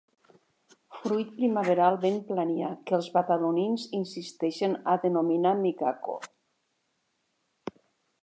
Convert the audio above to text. Fruit primaveral ben planià que els badalonins insisteixen a denominar micaco.